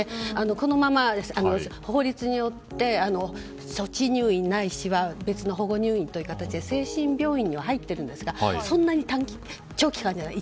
このまま法律によって措置入院、ないしは別の保護入院という形で精神病院には入っているんですがそんなに長期間じゃない。